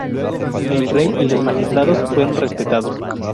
El rey y los magistrados fueron respetados.